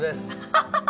ハハハ！